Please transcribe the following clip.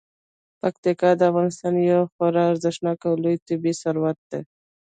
پکتیکا د افغانستان یو خورا ارزښتناک او لوی طبعي ثروت دی.